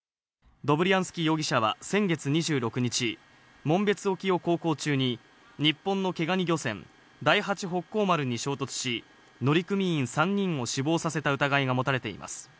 ドブリアンスキー容疑者は先月２６日、紋別沖を航行中に日本の毛ガニ漁船、第八北幸丸に衝突し、乗組員３人を死亡させた疑いがもたれています。